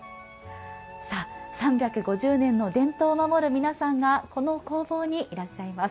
さあ３５０年の伝統を守る皆さんがこの工房にいらっしゃいます。